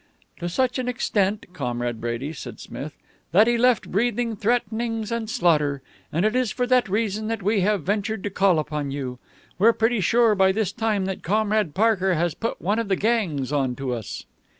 "To such an extent, Comrade Brady," said Smith, "that he left breathing threatenings and slaughter. And it is for that reason that we have ventured to call upon you. We're pretty sure by this time that Comrade Parker has put one of the gangs on to us."